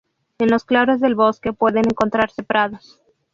En los claros del bosque pueden encontrarse prados.